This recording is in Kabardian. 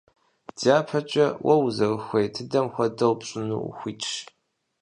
ДяпэкӀэ, уэ узэрыхуей дыдэм хуэдэу пщӀыну ухуитщ.